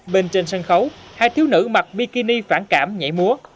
bên trên sân khấu hai thiếu nữ mặc mikini phản cảm nhảy múa